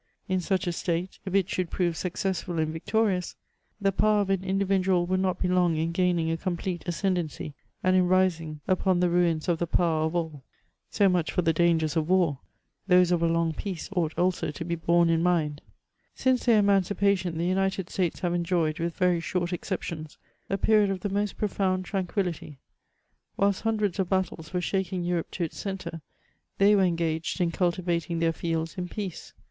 In such a State, if it should prove successful and victorious, the power of an individual would not be long in gaining a complete ascendancy, and in rlung upon the ruins of the powar of all. So much for the dangers of war ; those of a long peace ought also to be borne in mind. Since their emancipation, the United States have enjoyed, with very short exceptions, a period of the most profound tranquillity ; whilst hundreds of battles were diaking Europe to its centre, they were engaged in cultivating their fields in peace.